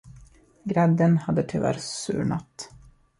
Grädden hade tyvärr surnat.